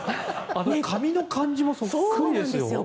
髪の感じもそっくりですよ。